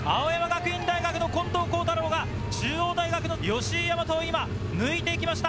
青山学院大学の近藤幸太郎が中央大学の吉居大和を今抜いていきました。